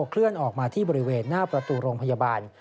เคลื่อนออกมาที่บริเวณหน้าประตูโรงพยาบาล